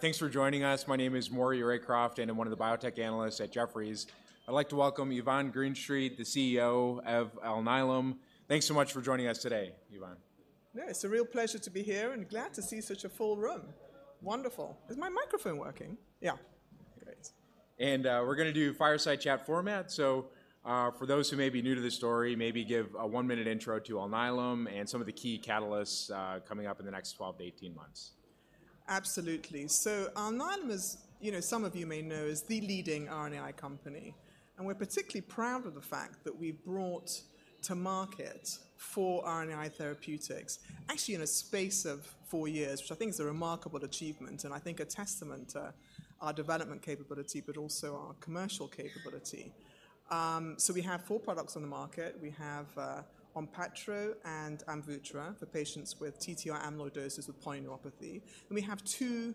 Thanks for joining us. My name is Maury Raycroft, and I'm one of the biotech analysts at Jefferies. I'd like to welcome Yvonne Greenstreet, the CEO of Alnylam. Thanks so much for joining us today, Yvonne. Yeah, it's a real pleasure to be here, and glad to see such a full room. Wonderful. Is my microphone working? Yeah. Great. We're gonna do fireside chat format. So, for those who may be new to this story, maybe give a one-minute intro to Alnylam and some of the key catalysts, coming up in the next 12-18 months. Absolutely. So Alnylam, as you know, some of you may know, is the leading RNAi company, and we're particularly proud of the fact that we've brought to market four RNAi therapeutics, actually in a space of four years, which I think is a remarkable achievement, and I think a testament to our development capability, but also our commercial capability. So we have four products on the market. We have ONPATTRO and AMVUTTRA for patients with TTR amyloidosis with polyneuropathy, and we have two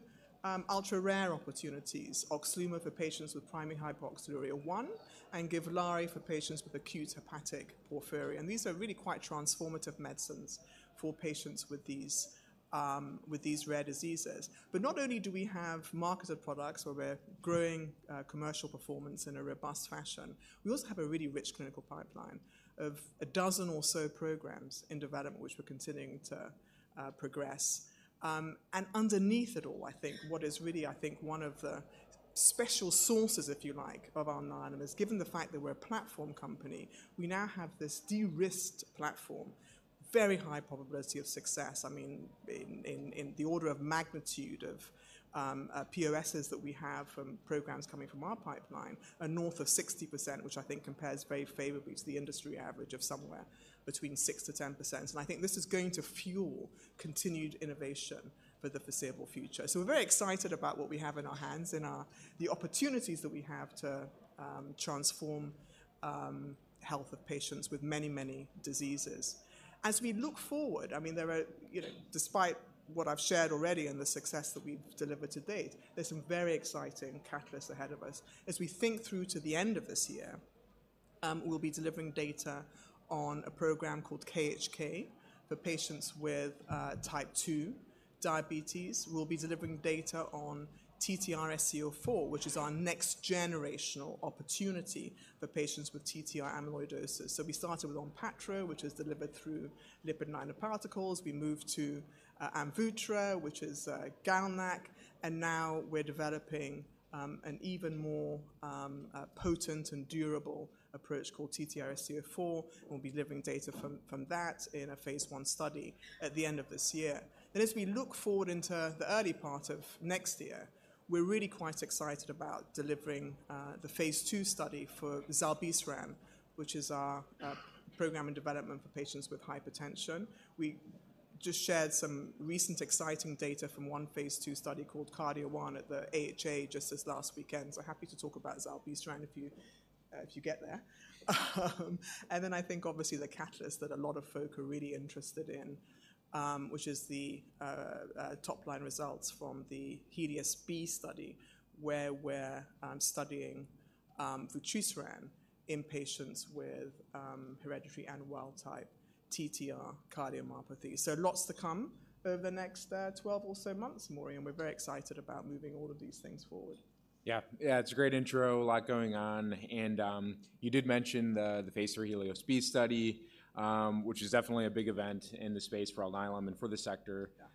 ultra-rare opportunities: OXLUMO for patients with primary hyperoxaluria type 1, and GIVLAARI for patients with acute hepatic porphyria. These are really quite transformative medicines for patients with these rare diseases. But not only do we have marketed products where we're growing commercial performance in a robust fashion, we also have a really rich clinical pipeline of a dozen or so programs in development, which we're continuing to progress. And underneath it all, I think what is really one of the special sources, if you like, of Alnylam, is given the fact that we're a platform company, we now have this de-risked platform, very high probability of success. I mean, in the order of magnitude of POSs that we have from programs coming from our pipeline are north of 60%, which I think compares very favorably to the industry average of somewhere between 6%-10%. And I think this is going to fuel continued innovation for the foreseeable future. So we're very excited about what we have in our hands, the opportunities that we have to transform health of patients with many, many diseases. As we look forward, I mean, there are, you know, despite what I've shared already and the success that we've delivered to date, there's some very exciting catalysts ahead of us. As we think through to the end of this year, we'll be delivering data on a program called KHK for patients with type 2 diabetes. We'll be delivering data on TTR-sc04, which is our next-generational opportunity for patients with TTR amyloidosis. So we started with ONPATTRO, which is delivered through lipid nanoparticles. We moved to AMVUTTRA, which is GalNAc, and now we're developing an even more potent and durable approach called TTR-SCO4. We'll be delivering data from that in a phase I study at the end of this year. And as we look forward into the early part of next year, we're really quite excited about delivering the phase II study for zilebesiran, which is our program in development for patients with hypertension. We just shared some recent exciting data from one phase II study called KARDIA-1 at the AHA just this last weekend. So happy to talk about zilebesiran if you get there. And then I think obviously the catalyst that a lot of folk are really interested in, which is the top-line results from the HELIOS-B study, where we're studying vutrisiran in patients with hereditary and wild-type TTR cardiomyopathy. Lots to come over the next 12 or so months, Maury, and we're very excited about moving all of these things forward. Yeah. Yeah, it's a great intro, a lot going on, and, you did mention the Phase III HELIOS-B study, which is definitely a big event in the space for Alnylam and for the sector. Yeah.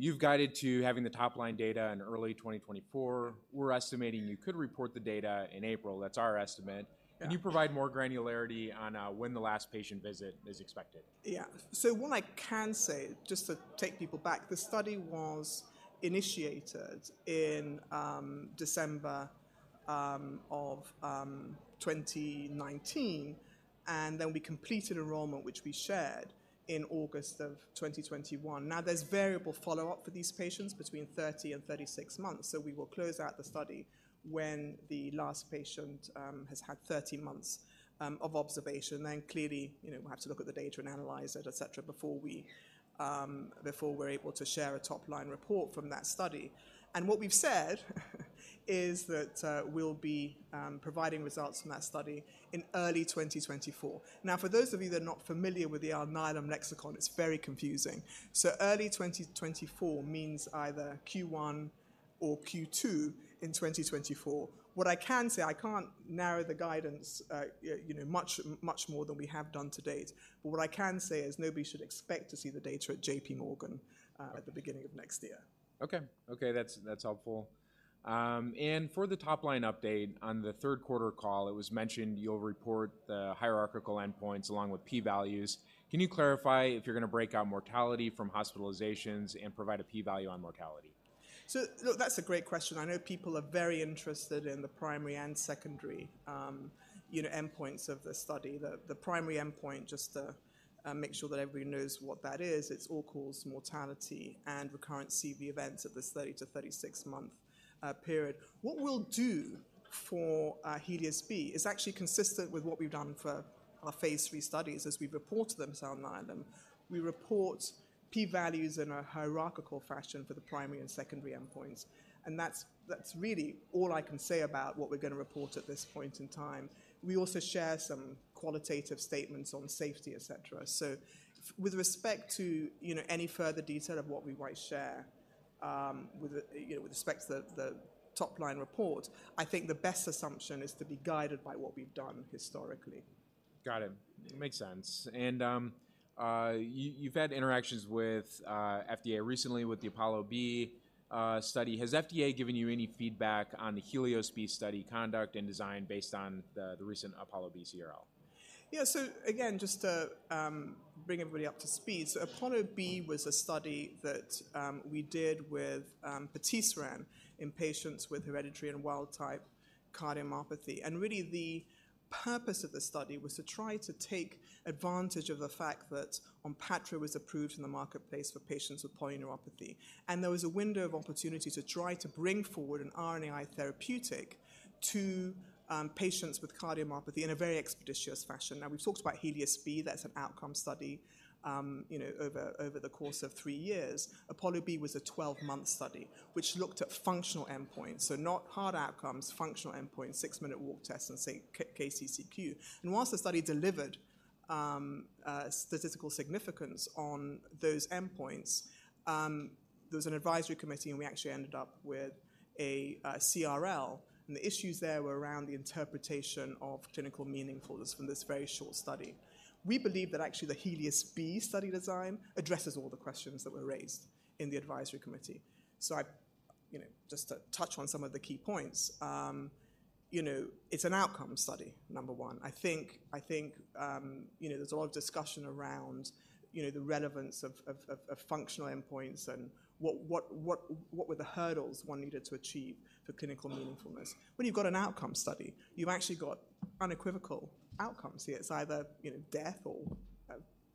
You've guided to having the top-line data in early 2024. We're estimating you could report the data in April. That's our estimate. Yeah. Can you provide more granularity on, when the last patient visit is expected? Yeah. So what I can say, just to take people back, the study was initiated in December of 2019, and then we completed enrollment, which we shared in August of 2021. Now, there's variable follow-up for these patients between 30 and 36 months, so we will close out the study when the last patient has had 30 months of observation. Then clearly, you know, we'll have to look at the data and analyze it, et cetera, before we're able to share a top-line report from that study. And what we've said is that we'll be providing results from that study in early 2024. Now, for those of you that are not familiar with the Alnylam lexicon, it's very confusing. So early 2024 means either Q1 or Q2 in 2024. What I can say, I can't narrow the guidance, you know, much, much more than we have done to date. But what I can say is nobody should expect to see the data at JP Morgan, at the beginning of next year. Okay. Okay, that's, that's helpful. And for the top-line update on the third quarter call, it was mentioned you'll report the hierarchical endpoints along with P values. Can you clarify if you're gonna break out mortality from hospitalizations and provide a P value on mortality? So, look, that's a great question. I know people are very interested in the primary and secondary, you know, endpoints of the study. The primary endpoint, just to make sure that everybody knows what that is, it's all-cause mortality and recurrent CV events at this 30-36-month period. What we'll do for HELIOS-B is actually consistent with what we've done for our phase III studies as we've reported them to Alnylam. We report P values in a hierarchical fashion for the primary and secondary endpoints, and that's really all I can say about what we're gonna report at this point in time. We also share some qualitative statements on safety, et cetera. So with respect to, you know, any further detail of what we might share-... you know, with respect to the top-line report, I think the best assumption is to be guided by what we've done historically. Got it. Yeah. Makes sense. And you've had interactions with FDA recently with the APOLLO-B study. Has FDA given you any feedback on the HELIOS-B study conduct and design based on the recent APOLLO-B CRL? Yeah. So again, just to bring everybody up to speed. So APOLLO-B was a study that we did with patisiran in patients with hereditary and wild-type cardiomyopathy. And really, the purpose of the study was to try to take advantage of the fact that ONPATTRO was approved in the marketplace for patients with polyneuropathy. And there was a window of opportunity to try to bring forward an RNAi therapeutic to patients with cardiomyopathy in a very expeditious fashion. Now, we've talked about HELIOS-B, that's an outcome study, you know, over the course of three years. APOLLO-B was a 12-month study, which looked at functional endpoints. So not hard outcomes, functional endpoints, six-minute walk test, and, say, KCCQ. While the study delivered statistical significance on those endpoints, there was an advisory committee, and we actually ended up with a CRL, and the issues there were around the interpretation of clinical meaningfulness from this very short study. We believe that actually the HELIOS-B study design addresses all the questions that were raised in the advisory committee. So I—you know, just to touch on some of the key points, you know, it's an outcome study, number one. I think you know, there's a lot of discussion around, you know, the relevance of functional endpoints and what were the hurdles one needed to achieve for clinical meaningfulness. When you've got an outcome study, you've actually got unequivocal outcomes here. It's either, you know, death or,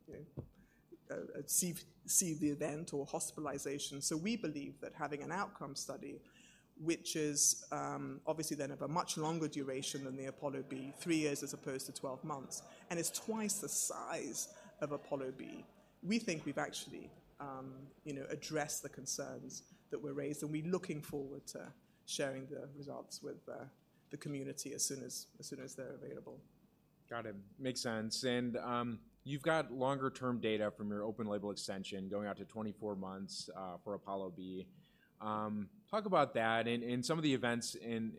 you know, a severe event or hospitalization. So we believe that having an outcome study, which is obviously then of a much longer duration than the APOLLO-B, three years as opposed to 12 months, and it's twice the size of APOLLO-B. We think we've actually, you know, addressed the concerns that were raised, and we're looking forward to sharing the results with the community as soon as they're available. Got it. Makes sense. And, you've got longer-term data from your open-label extension going out to 24 months for APOLLO-B. Talk about that, and some of the events in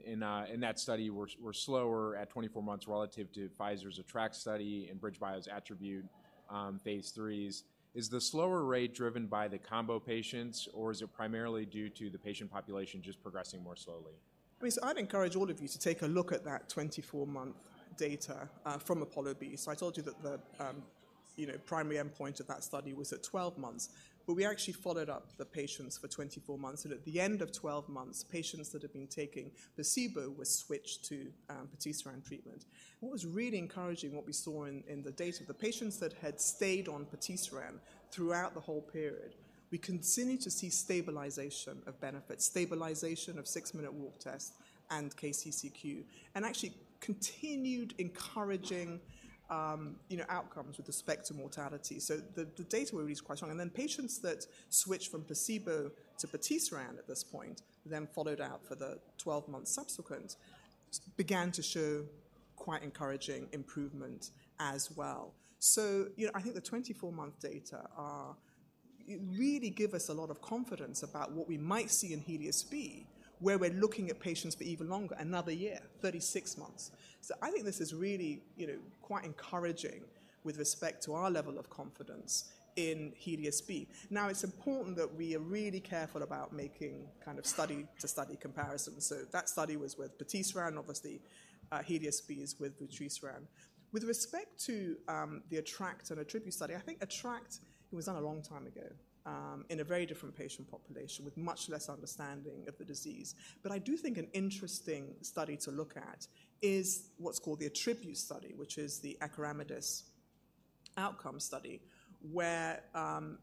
that study were slower at 24 months relative to Pfizer's ATTR-ACT study and BridgeBio's ATTRibute-CM Phase IIIs. Is the slower rate driven by the combo patients, or is it primarily due to the patient population just progressing more slowly? I mean, so I'd encourage all of you to take a look at that 24-month data from APOLLO-B. So I told you that the, you know, primary endpoint of that study was at 12 months, but we actually followed up the patients for 24 months, and at the end of 12 months, patients that had been taking placebo were switched to patisiran treatment. What was really encouraging, what we saw in the data, the patients that had stayed on patisiran throughout the whole period, we continued to see stabilization of benefits, stabilization of six-minute walk tests and KCCQ, and actually continued encouraging outcomes with respect to mortality. So the data were really quite strong. Then patients that switched from placebo to patisiran at this point, then followed out for the 12 months subsequent, began to show quite encouraging improvement as well. So, you know, I think the 24-month data are really give us a lot of confidence about what we might see in HELIOS-B, where we're looking at patients for even longer, another year, 36 months. So I think this is really, you know, quite encouraging with respect to our level of confidence in HELIOS-B. Now, it's important that we are really careful about making kind of study-to-study comparisons. So that study was with patisiran, obviously, HELIOS-B is with vutrisiran. With respect to the ATTR-ACT and ATTRibute-CM study, I think ATTR-ACT, it was done a long time ago, in a very different patient population with much less understanding of the disease. But I do think an interesting study to look at is what's called the ATTRibute study, which is the acoramidis outcome study, where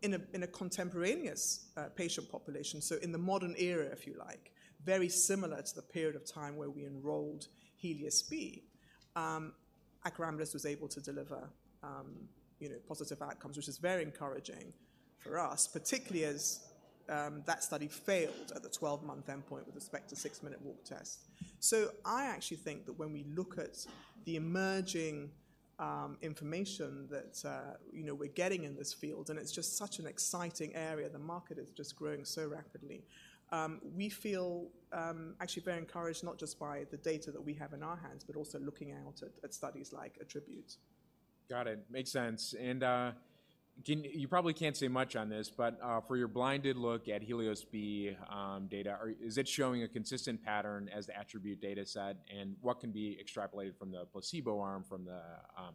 in a contemporaneous patient population, so in the modern era, if you like, very similar to the period of time where we enrolled HELIOS-B, acoramidis was able to deliver, you know, positive outcomes, which is very encouraging for us, particularly as that study failed at the 12-month endpoint with respect to six-minute walk test. So I actually think that when we look at the emerging information that, you know, we're getting in this field, and it's just such an exciting area, the market is just growing so rapidly, we feel actually very encouraged, not just by the data that we have in our hands, but also looking out at studies like ATTRibute. Got it. Makes sense. You probably can't say much on this, but for your blinded look at HELIOS-B data, is it showing a consistent pattern as the ATTRibute data set, and what can be extrapolated from the placebo arm, from the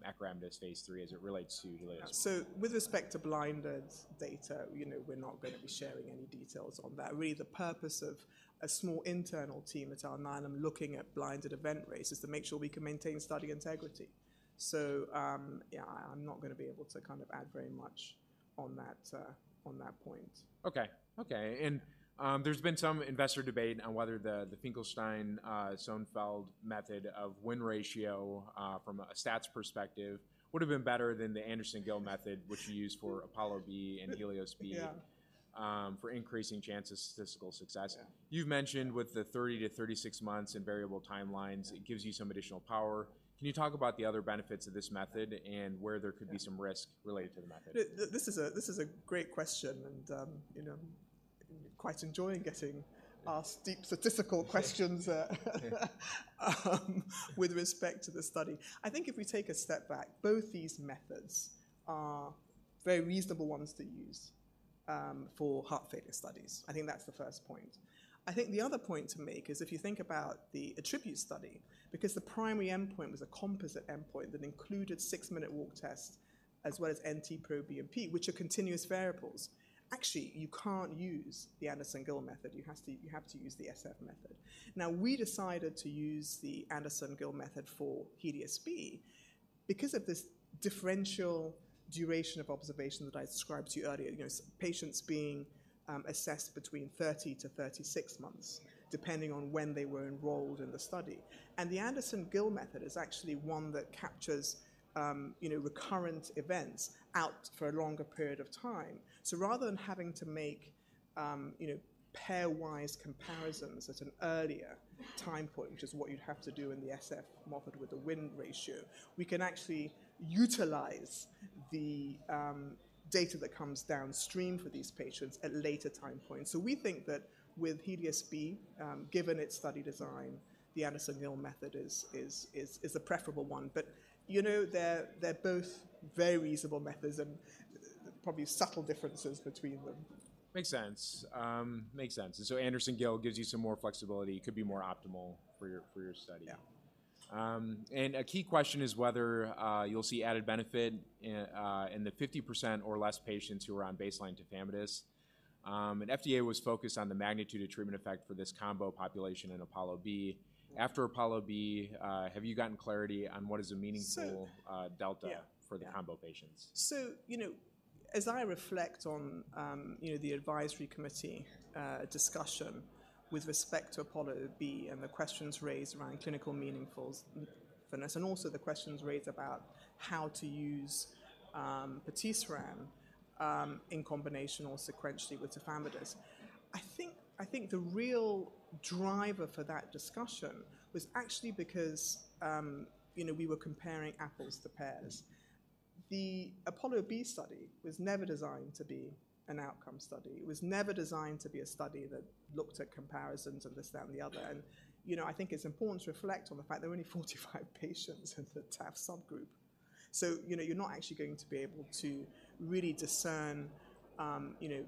acoramidis phase 3 as it relates to HELIOS? So with respect to blinded data, you know, we're not gonna be sharing any details on that. Really, the purpose of a small internal team at Alnylam looking at blinded event rates is to make sure we can maintain study integrity. So, yeah, I'm not gonna be able to kind of add very much on that, on that point. Okay. Okay, and there's been some investor debate on whether the Finkelstein-Sonnenfeld method of win ratio from a stats perspective would have been better than the Anderson-Gill method, which you used for APOLLO-B and HELIOS-B- Yeah... for increasing chances of statistical success. Yeah. You've mentioned with the 30-36 months and variable timelines- Yeah... it gives you some additional power. Can you talk about the other benefits of this method and where there could be- Yeah... some risk related to the method? This is a great question, and you know, quite enjoying getting asked deep statistical questions with respect to the study. I think if we take a step back, both these methods are very reasonable ones to use for heart failure studies. I think that's the first point. I think the other point to make is if you think about the ATTRibute study, because the primary endpoint was a composite endpoint that included six-minute walk test as well as NT-proBNP, which are continuous variables, actually, you can't use the Anderson-Gill method. You have to use the SF method. Now, we decided to use the Anderson-Gill method for HELIOS-B because of this differential duration of observation that I described to you earlier. You know, patients being assessed between 30-36 months, depending on when they were enrolled in the study. The Anderson-Gill method is actually one that captures, you know, recurrent events out for a longer period of time. Rather than having to make, you know, pairwise comparisons at an earlier time point, which is what you'd have to do in the SF method with the win ratio, we can actually utilize the data that comes downstream for these patients at later time points. We think that with HELIOS-B, given its study design, the Anderson-Gill method is a preferable one. You know, they're both very reasonable methods and probably subtle differences between them. Makes sense. Makes sense. And so Anderson-Gill gives you some more flexibility, could be more optimal for your, for your study. Yeah. A key question is whether you'll see added benefit in the 50% or less patients who are on baseline tafamidis. FDA was focused on the magnitude of treatment effect for this combo population in APOLLO B. After APOLLO B, have you gotten clarity on what is a meaningful- So- - delta- Yeah. - for the combo patients? So, you know, as I reflect on, you know, the advisory committee discussion with respect to APOLLO-B and the questions raised around clinical meaningfulness, and also the questions raised about how to use vutrisiran in combination or sequentially with tafamidis, I think, I think the real driver for that discussion was actually because, you know, we were comparing apples to pears. The APOLLO-B study was never designed to be an outcome study. It was never designed to be a study that looked at comparisons and this, that, and the other. And, you know, I think it's important to reflect on the fact there were only 45 patients in the taf subgroup. So, you know, you're not actually going to be able to really discern, you know,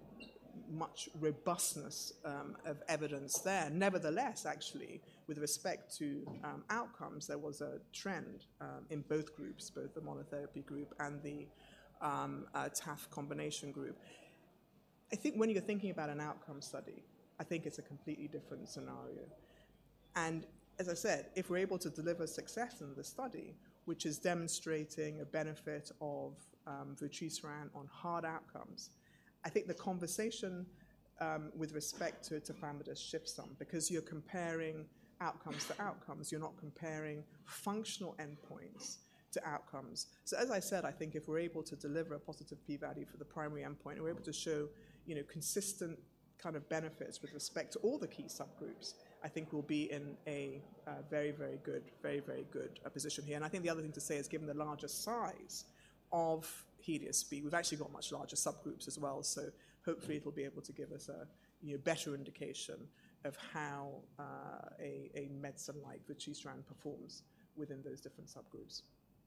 much robustness of evidence there. Nevertheless, actually, with respect to outcomes, there was a trend in both groups, both the monotherapy group and the taf combination group. I think when you're thinking about an outcome study, I think it's a completely different scenario, and as I said, if we're able to deliver success in the study, which is demonstrating a benefit of vutrisiran on hard outcomes, I think the conversation with respect to tafamidis shifts some because you're comparing outcomes to outcomes. You're not comparing functional endpoints to outcomes. So, as I said, I think if we're able to deliver a positive p-value for the primary endpoint, and we're able to show, you know, consistent kind of benefits with respect to all the key subgroups, I think we'll be in a very, very good, very, very good position here. And I think the other thing to say is, given the larger size of HELIOS-B, we've actually got much larger subgroups as well, so hopefully it'll be able to give us a, you know, better indication of how a medicine like vutrisiran performs within those different subgroups.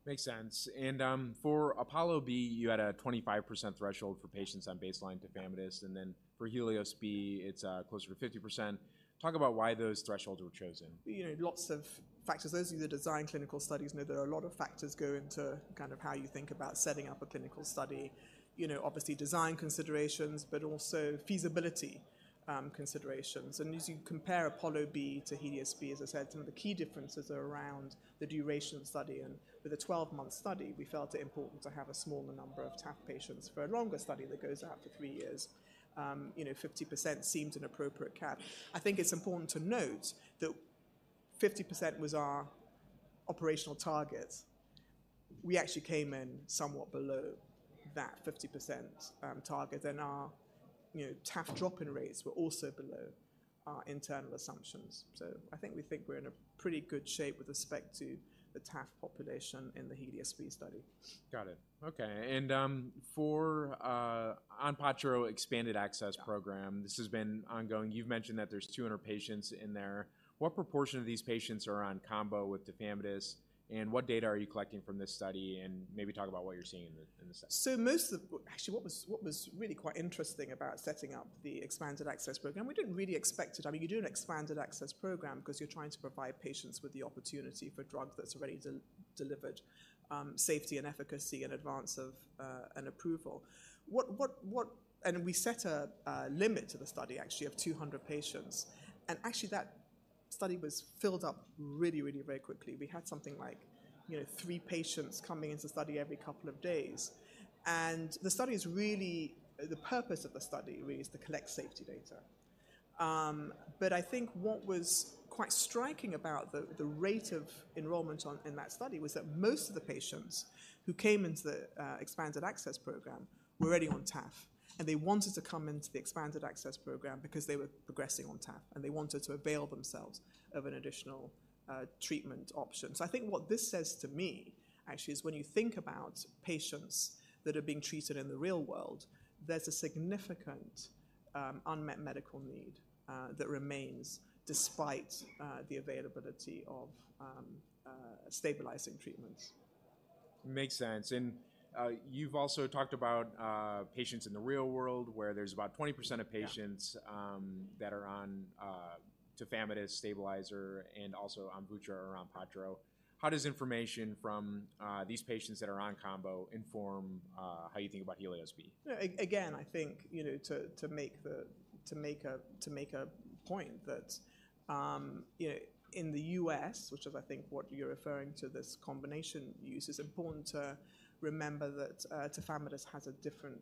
Makes sense. And, for APOLLO-B, you had a 25% threshold for patients on baseline tafamidis, and then for HELIOS-B, it's closer to 50%. Talk about why those thresholds were chosen? You know, lots of factors. Those who design clinical studies know there are a lot of factors go into kind of how you think about setting up a clinical study. You know, obviously, design considerations, but also feasibility considerations. And as you compare APOLLO-B to HELIOS-B, as I said, some of the key differences are around the duration of the study, and with a 12-month study, we felt it important to have a smaller number of TAF patients. For a longer study that goes out to three years, you know, 50% seemed an appropriate cap. I think it's important to note that 50% was our operational target. We actually came in somewhat below that 50%, target, and our, you know, TAF drop-in rates were also below our internal assumptions. I think we think we're in a pretty good shape with respect to the taf population in the HELIOS-B study. Got it. Okay, and, for, ONPATTRO Expanded Access Program, this has been ongoing. You've mentioned that there's 200 patients in there. What proportion of these patients are on combo with tafamidis, and what data are you collecting from this study? And maybe talk about what you're seeing in the study. Actually, what was really quite interesting about setting up the expanded access program, we didn't really expect it. I mean, you do an expanded access program 'cause you're trying to provide patients with the opportunity for a drug that's already delivered safety and efficacy in advance of an approval. And we set a limit to the study, actually, of 200 patients, and actually, that study was filled up really, really very quickly. We had something like, you know, three patients coming into the study every couple of days. And the study is really, the purpose of the study really is to collect safety data. But I think what was quite striking about the rate of enrollment in that study was that most of the patients who came into the expanded access program were already on taf, and they wanted to come into the expanded access program because they were progressing on taf, and they wanted to avail themselves of an additional treatment option. So I think what this says to me, actually, is when you think about patients that are being treated in the real world, there's a significant unmet medical need that remains despite the availability of stabilizing treatments. Makes sense. And, you've also talked about, patients in the real world where there's about 20% of patients- Yeah. that are on tafamidis stabilizer and also on vutrisiran or ONPATTRO. How does information from these patients that are on combo inform how you think about HELIOS-B? Again, I think, you know, to make a point that, you know, in the U.S., which I think is what you're referring to, this combination use, it's important to remember that tafamidis has a different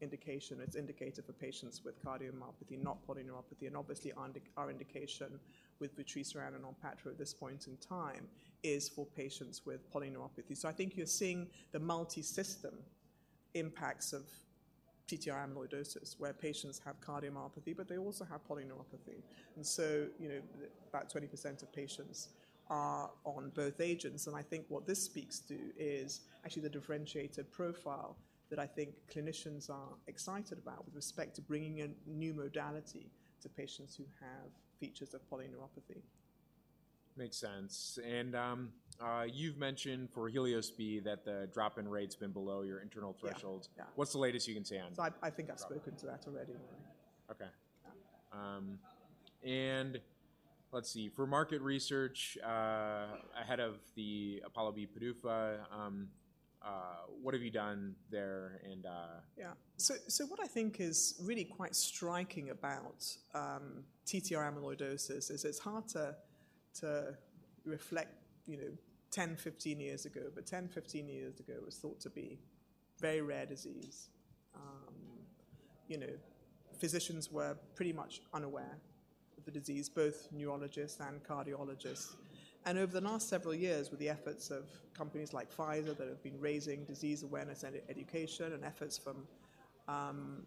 indication. It's indicated for patients with cardiomyopathy, not polyneuropathy, and obviously our indication with vutrisiran and ONPATTRO at this point in time is for patients with polyneuropathy. So I think you're seeing the multisystem impacts of TTR amyloidosis, where patients have cardiomyopathy, but they also have polyneuropathy. And so, you know, about 20% of patients are on both agents, and I think what this speaks to is actually the differentiated profile that I think clinicians are excited about with respect to bringing a new modality to patients who have features of polyneuropathy. Makes sense. You've mentioned for HELIOS-B that the drop-in rate's been below your internal thresholds. Yeah. Yeah. What's the latest you can say on... I think I've spoken to that already. Okay. Yeah. Let's see, for market research ahead of the APOLLO-B PDUFA, what have you done there, and Yeah. So what I think is really quite striking about TTR amyloidosis is it's hard to reflect, you know, 10, 15 years ago, but 10, 15 years ago, it was thought to be very rare disease. You know, physicians were pretty much unaware of the disease, both neurologists and cardiologists. And over the last several years, with the efforts of companies like Pfizer that have been raising disease awareness and education and efforts from,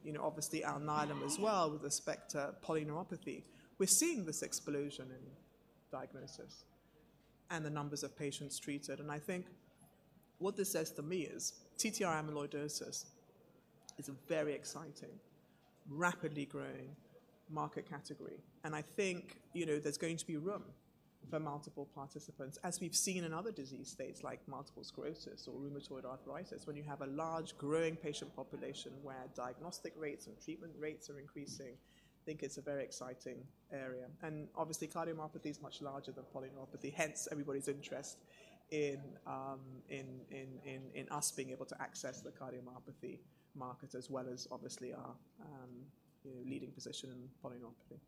you know, obviously Alnylam as well with respect to polyneuropathy, we're seeing this explosion in diagnosis and the numbers of patients treated. And I think what this says to me is TTR amyloidosis is a very exciting, rapidly growing market category. And I think, you know, there's going to be room for multiple participants, as we've seen in other disease states like multiple sclerosis or rheumatoid arthritis. When you have a large, growing patient population where diagnostic rates and treatment rates are increasing, I think it's a very exciting area. And obviously, cardiomyopathy is much larger than polyneuropathy, hence everybody's interest in us being able to access the cardiomyopathy market, as well as obviously our leading position in polyneuropathy.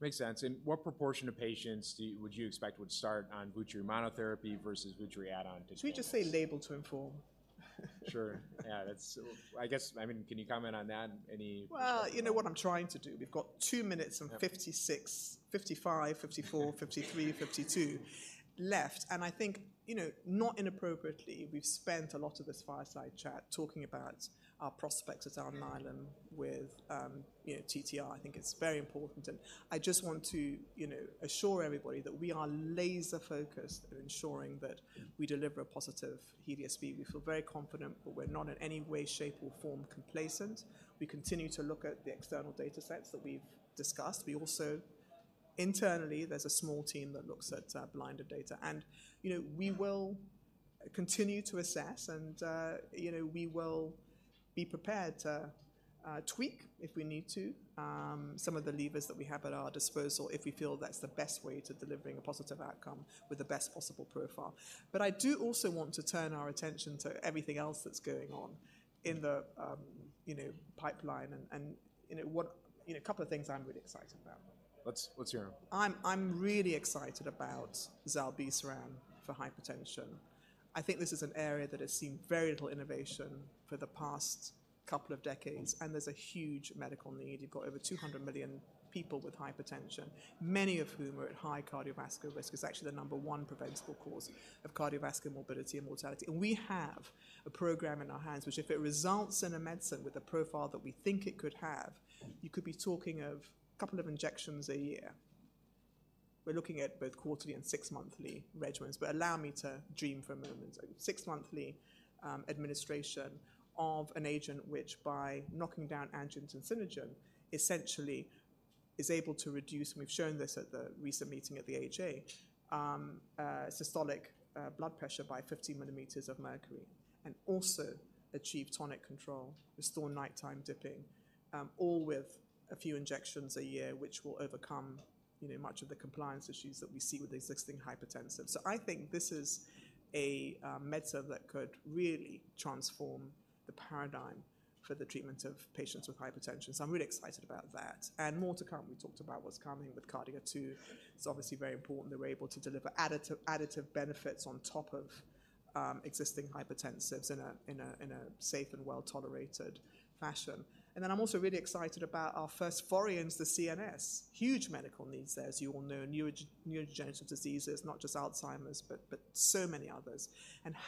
Makes sense. And what proportion of patients would you expect would start on vutrisiran monotherapy versus vutrisiran add-on to... We just say label to inform. Sure. Yeah, that's... I guess, I mean, can you comment on that? Any- Well, you know what I'm trying to do, we've got two minutes and 56, 55, 54, 53, 52 left, and I think, you know, not inappropriately, we've spent a lot of this fireside chat talking about our prospects at Alnylam with, you know, TTR. I think it's very important, and I just want to, you know, assure everybody that we are laser focused on ensuring that we deliver a positive HELIOS-B. We feel very confident, but we're not in any way, shape, or form complacent. We continue to look at the external data sets that we've discussed. We also internally, there's a small team that looks at blinded data. And, you know, we will continue to assess, and you know, we will be prepared to tweak, if we need to, some of the levers that we have at our disposal if we feel that's the best way to delivering a positive outcome with the best possible profile. But I do also want to turn our attention to everything else that's going on in the, you know, pipeline and you know, what... You know, a couple of things I'm really excited about. What's your... I'm really excited about zilebesiran for hypertension. I think this is an area that has seen very little innovation for the past couple of decades, and there's a huge medical need. You've got over 200 million people with hypertension, many of whom are at high cardiovascular risk. It's actually the number one preventable cause of cardiovascular morbidity and mortality. And we have a program in our hands, which, if it results in a medicine with a profile that we think it could have, you could be talking of a couple of injections a year. We're looking at both quarterly and six-monthly regimens, but allow me to dream for a moment. Six-monthly administration of an agent which, by knocking down angiotensinogen, essentially is able to reduce, and we've shown this at the recent meeting at the AHA, systolic blood pressure by 50 millimeters of mercury and also achieve tonic control, restore nighttime dipping, all with a few injections a year, which will overcome, you know, much of the compliance issues that we see with existing hypertensives. So I think this is a medicine that could really transform the paradigm for the treatment of patients with hypertension. So I'm really excited about that. And more to come, we talked about what's coming with KARDIA-2. It's obviously very important that we're able to deliver additive, additive benefits on top of existing hypertensives in a safe and well-tolerated fashion. And then I'm also really excited about our first forays into CNS. Huge medical needs there, as you all know, neurodegenerative diseases, not just Alzheimer's, but so many others.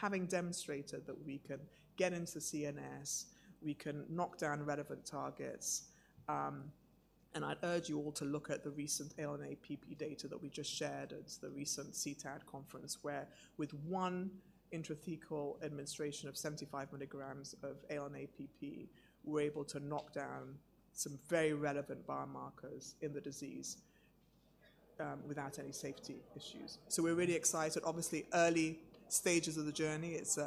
Having demonstrated that we can get into the CNS, we can knock down relevant targets, and I'd urge you all to look at the recent ALN-APP data that we just shared at the recent CTAD conference, where with one intrathecal administration of 75 milligrams of ALN-APP, we're able to knock down some very relevant biomarkers in the disease, without any safety issues. So we're really excited. Obviously, early stages of the journey, it's.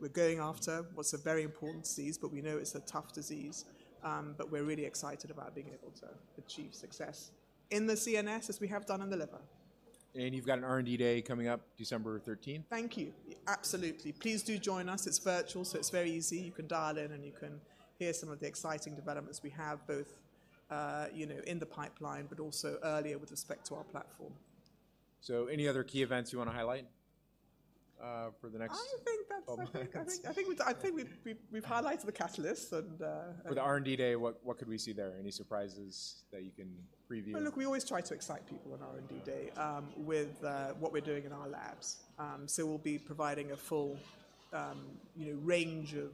We're going after what's a very important disease, but we know it's a tough disease. But we're really excited about being able to achieve success in the CNS, as we have done in the liver. You've got an R&D day coming up December thirteenth? Thank you. Absolutely. Please do join us. It's virtual, so it's very easy. You can dial in, and you can hear some of the exciting developments we have, both, you know, in the pipeline, but also earlier with respect to our platform. So, any other key events you wanna highlight for the next- I think that's-... couple months? I think we've highlighted the catalysts and For the R&D day, what could we see there? Any surprises that you can preview? Well, look, we always try to excite people on R&D Day, with what we're doing in our labs. So we'll be providing a full, you know, range of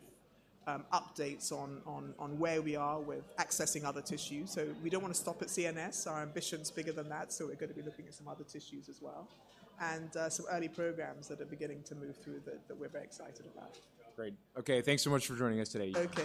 updates on where we are with accessing other tissues. So we don't wanna stop at CNS, our ambition's bigger than that, so we're gonna be looking at some other tissues as well, and some early programs that are beginning to move through that that we're very excited about. Great. Okay, thanks so much for joining us today. Okay.